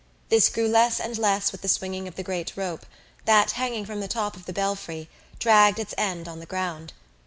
This grew less and less with the swinging of the great rope that, hanging from the top of the belfry, dragged its end on the ground.